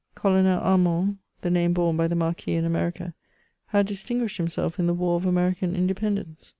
Colonel Armand (the name borne by the Marquis in America) had distinguished himself in the war of American Independence.